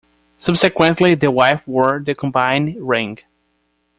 Subsequently, the wife wore the combined ring.